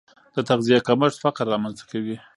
د تغذیې کمښت فقر رامنځته کوي.